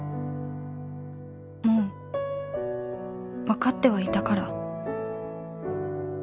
もうわかってはいたから